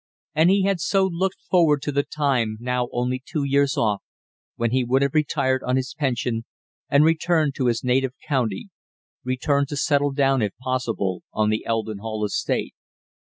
And he had so looked forward to the time, now only two years off, when he would have retired on his pension and returned to his native county returned to settle down, if possible, on the Eldon Hall estate.